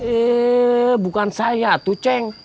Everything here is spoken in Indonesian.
eh bukan saya tuh ceng